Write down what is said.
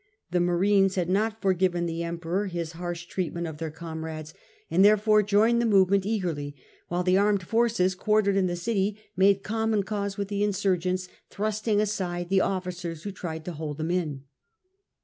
The marines had not forgiven the Emperor his harsh treatment Galba, k . T \, 68 69. 12; of their comrades, and therefore joined the movement eagerly, while the armed forces quartered in the city made common cause with the insurgents, thrusting aside the officers who tried to hold them in.